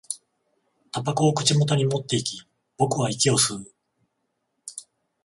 煙草を口元に持っていき、僕は息を吸う